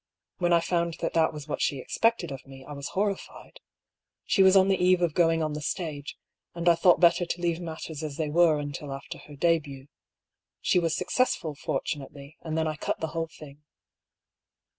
When I found that that was what she expected of me, I was horrified. She was on the eve of going on the stage, and I thought better to leave matters as they were until after her debilt. She was successful, fortunately, and then I cut the whole thing."